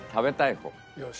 よし。